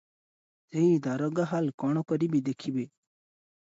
ସେହି ଦାରୋଗା ହାଲ କଣ କରିବି, ଦେଖିବେ ।